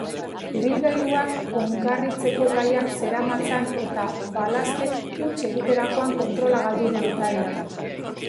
Ibilgailuak ongarritzeko gaiak zeramatzan eta balaztek huts egiterakoan kontrola galdu du gidariak.